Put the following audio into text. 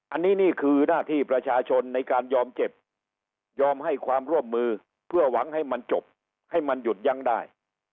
อันนี้นี่คือหน้าที่ประชาชนในการยอมเจ็บยอมให้ความร่วมมือเพื่อหวังให้มันจบให้มันหยุดยั้งได้